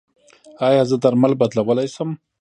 ایا زه درمل بدلولی شم؟